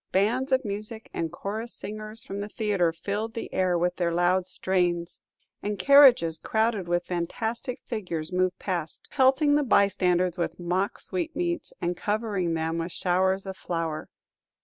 Bands of music and chorus singers from the theatre filled the air with their loud strains, and carriages crowded with fantastic figures moved past, pelting the bystanders with mock sweetmeats, and covering them with showers of flour.